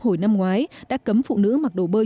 hồi năm ngoái đã cấm phụ nữ mặc đồ bơi